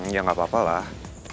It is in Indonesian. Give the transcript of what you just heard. ya nggak apa apa lah